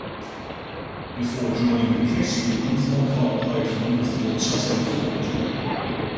Before joining the Casey Demons Lockhart played for North Launceston Football Club.